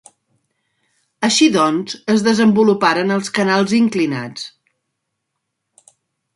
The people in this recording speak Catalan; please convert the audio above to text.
Així doncs es desenvoluparen els canals inclinats.